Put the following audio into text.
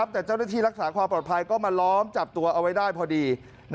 แต่เจ้าหน้าที่รักษาความปลอดภัยก็มาล้อมจับตัวเอาไว้ได้พอดี